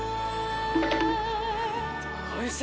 おいしい！